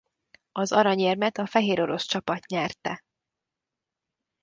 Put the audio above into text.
Az aranyérmet a fehérorosz csapat nyerte.